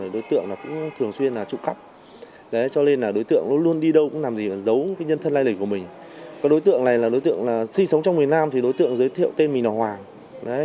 đối tượng này là đối tượng sinh sống trong miền nam đối tượng giới thiệu tên mình là hoàng